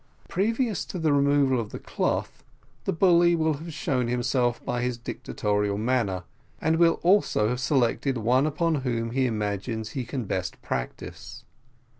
Previous to the removal of the cloth, the bully will have shown himself by his dictatorial manner, and will also have selected the one upon whom he imagines that he can best practise.